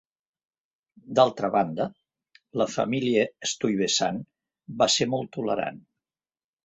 D'altra banda, la família Stuyvesant va ser molt tolerant.